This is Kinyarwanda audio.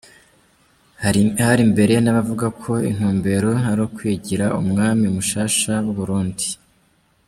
Hari mbere n'abavuga ko intumbero ari ukwigira umwami mushasha w'u Burundi.